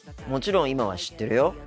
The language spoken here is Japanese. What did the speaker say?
もちろん今は知ってるよ。